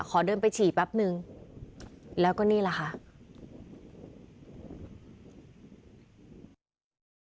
ขอเดินไปฉี่แป๊บนึงแล้วก็นี่แหละค่ะ